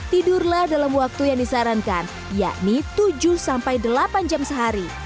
tidurlah dalam waktu yang disarankan yakni tujuh sampai delapan jam sehari